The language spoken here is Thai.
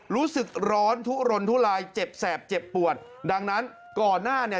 รู้สึกร้อนทุรนทุลายเจ็บแสบเจ็บปวดดังนั้นก่อนหน้าเนี่ย